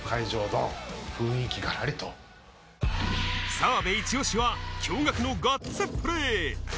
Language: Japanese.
澤部イチオシは驚愕のガッツプレー。